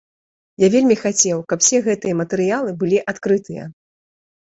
Я вельмі хацеў, каб усе гэтыя матэрыялы былі адкрытыя.